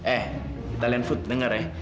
eh italian food denger ya